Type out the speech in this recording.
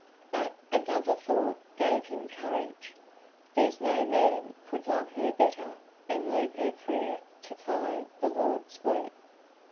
But another thought gave him courage: "There's no man could love her better and leave her freer to follow the Lord's work."